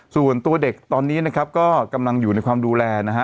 ส่วนตัวเด็กตอนนี้นะครับก็กำลังอยู่ในความดูแลนะฮะ